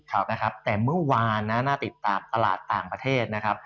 ครับนะครับแต่เมื่อวานนะน่าติดตามตลาดต่างประเทศนะครับ